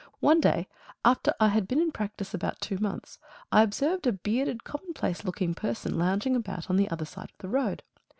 One day after I had been in practice about two months, I observed a bearded commonplace looking person lounging about on the other side of the road.